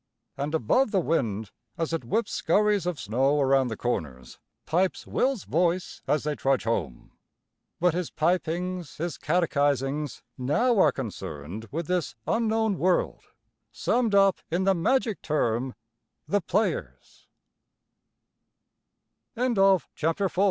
And above the wind, as it whips scurries of snow around the corners, pipes Will's voice as they trudge home. But his pipings, his catechisings, now are concerned with this unknown world summed up in t